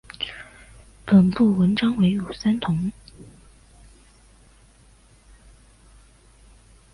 本部纹章为五三桐。